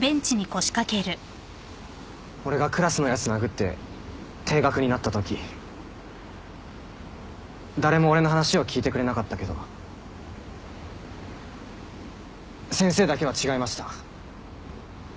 俺がクラスのやつ殴って停学になったとき誰も俺の話を聞いてくれなかったけど先生だけは違いました。